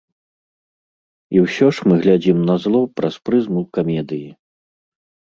І ўсе ж мы глядзім на зло праз прызму камедыі.